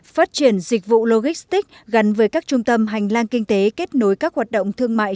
phát triển dịch vụ logistic gắn với các trung tâm hành lang kinh tế kết nối các hoạt động thương mại